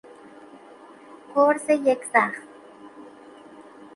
گرز یک زخم